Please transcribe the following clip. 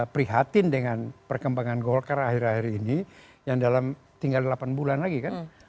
prihatin dengan perkembangan golkar akhir akhir ini yang dalam tinggal delapan bulan lagi kan